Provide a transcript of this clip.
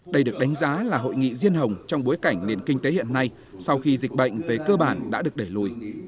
đây được đánh giá là hội nghị riêng hồng trong bối cảnh nền kinh tế hiện nay sau khi dịch bệnh về cơ bản đã được đẩy lùi